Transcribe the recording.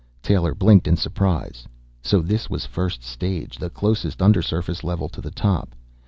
Taylor blinked in surprise. So this was first stage, the closest undersurface level to the top!